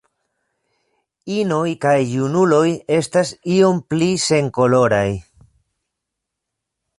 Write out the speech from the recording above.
Inoj kaj junuloj estas iom pli senkoloraj.